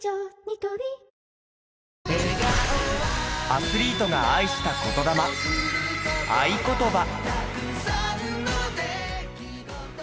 アスリートが愛した言魂『愛ことば』。